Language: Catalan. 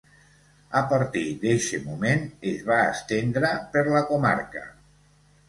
A partir d'eixe moment es va estendre per la comarca.